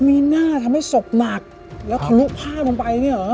มีหน้าทำให้ศพหนักแล้วทะลุผ้าลงไปเนี่ยเหรอ